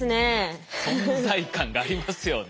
存在感がありますよね。